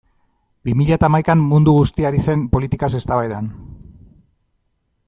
Bi mila eta hamaikan mundu guztia ari zen politikaz eztabaidan.